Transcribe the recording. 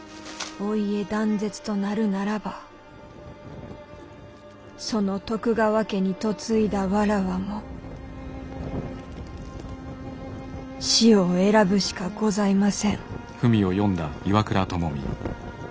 お家断絶となるならばその徳川家に嫁いだ妾も死を選ぶしかございません」。